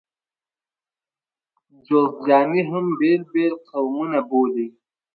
جوزجاني هم بېل بېل قومونه بولي.